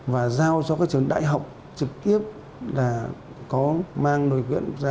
và giao cho các trường đại học trực tiếp là có mang nội viện ra